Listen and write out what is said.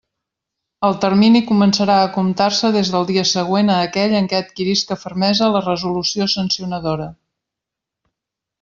El termini començarà a comptar-se des del dia següent a aquell en què adquirisca fermesa la resolució sancionadora.